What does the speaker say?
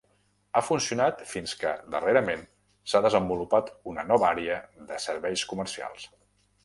Ha funcionat fins que, darrerament, s'ha desenvolupat una nova àrea de serveis comercials.